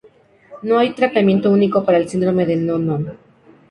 No hay un tratamiento único para el síndrome de Noonan.